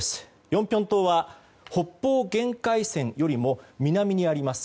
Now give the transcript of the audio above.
ヨンピョン島は北方限界線よりも南にあります。